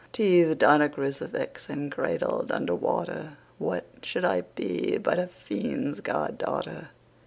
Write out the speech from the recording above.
Teethed on a crucifix and cradled under water, What should I be but a fiend's god daughter?